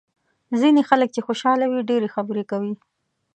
ځینې خلک چې خوشاله وي ډېرې خبرې کوي.